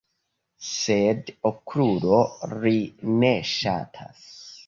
Sed Okrulo, ri ne ŝatas.